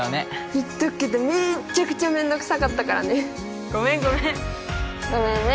言っとくけどめっちゃくちゃめんどくさかったからねごめんごめんごめんね